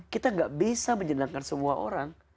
kita gak bisa menjelangkan semua orang